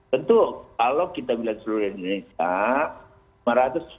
tentu kalau kita melihat seluruh indonesia